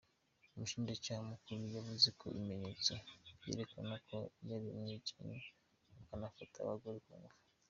Umushinjacaha mukuru yavuze ko ibimenyetso vyerekana ko yari umwicanyi akanafata abagore ku nguvu.